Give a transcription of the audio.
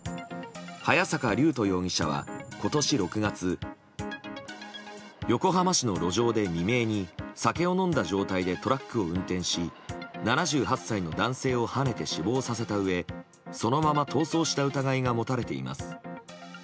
早坂龍斗容疑者は今年６月横浜市の路上で未明に酒を飲んだ状態でトラックを運転し７８歳の男性をはねて死亡させたうえそのまま逃走した疑いが持たれています。